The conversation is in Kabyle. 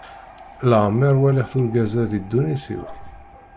Leɛmeṛ walaɣ-t urgaz-a di ddunit-iw.